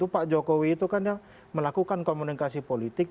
pak jokowi itu kan yang melakukan komunikasi politik